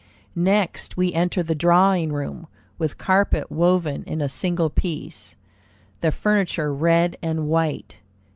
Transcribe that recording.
Next we enter the drawing room, with carpet woven in a single piece; the furniture red and white.